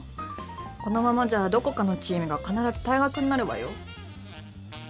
このままじゃどこかのチームが必ず退学になるわよ。